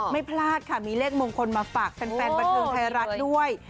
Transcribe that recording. ไม่พลาดค่ะมีเลขมงคลมาฝากแฟนบันเทิงไทยรัฐด้วย